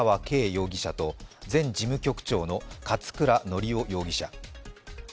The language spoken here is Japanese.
容疑者と前事務局長の勝倉教雄容疑者。